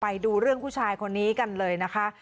ไปดูเรื่องผู้ชายคนนี้กันเลยนะคะ